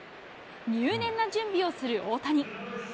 入念な準備をする大谷。